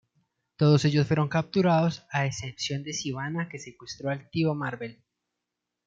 Todos ellos fueron capturados, a excepción de Sivana que secuestró al Tío Marvel.